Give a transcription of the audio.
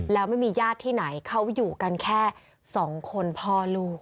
แล้วไม่มีญาติที่ไหนเขาอยู่กันแค่๒คนพ่อลูก